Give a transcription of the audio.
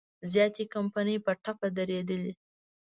زیاتې کمپنۍ په ټپه درېدلي.